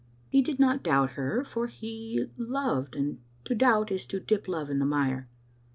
He did not doubt her, for he loved, and to doubt is to dip love in the mire.